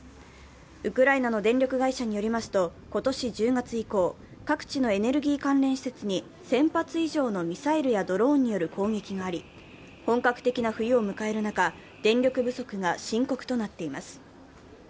ウクライナの電力会社によりますと今年１０月以降、各地のエネルギー関連施設に１０００発以上のミサイルやドローンによる攻撃があり本格的な冬を迎える中、電力不足が深刻となっています。